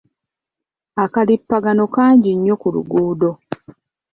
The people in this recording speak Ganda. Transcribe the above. Akalippagano kangi nnyo ku luguudo.